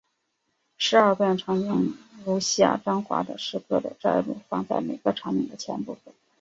十二段场景如下张华的诗歌的摘录放在每个场景的前部分。